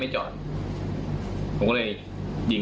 บอกขอโทษไม่ตั้งใจยิง